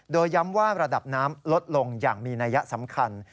โดยย้ำว่าระดับน้ำลดลงอย่างมีนัยสำคัญ